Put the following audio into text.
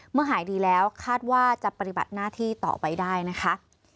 หายดีแล้วคาดว่าจะปฏิบัติหน้าที่ต่อไปได้นะคะ